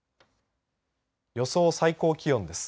予想最高気温です。